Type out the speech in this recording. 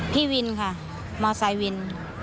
พี่วินค่ะมอไซควิน